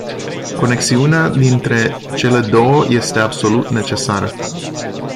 Conexiunea dintre cele două este absolut necesară.